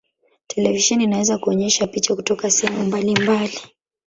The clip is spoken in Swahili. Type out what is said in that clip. Televisheni inaweza kuonyesha picha kutoka sehemu mbalimbali.